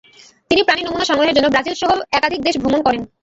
তিনি প্রাণী নমুনা সংগ্রহের জন্য ব্রাজিলসহ একাধিক দেশ ভ্রমণ করেন।